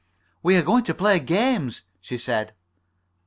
"We are going to play games," she said.